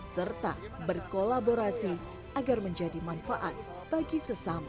serta berkolaborasi agar menjadi manfaat bagi sesama